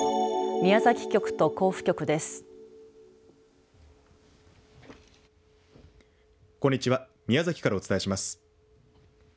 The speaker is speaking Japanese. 宮崎からお伝えします。